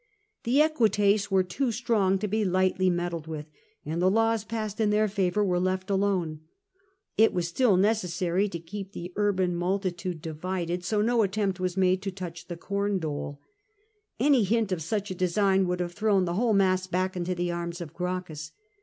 The Equites were too strong to be lightly meddled with, and the laws passed in their favour were left alone. It was still necessary to keep the urban multitude divided, 78 CAIUS GEACCHUS so no attempt was made to touch the com dole. Any hint of such a design would have thrown the whole mass back into the arms of Gracchus.